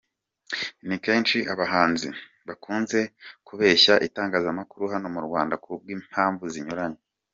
Ni kenshi abahanzi bakunze kubeshya itangazamakuru hano mu Rwanda kubw’impamvu zinyuranye.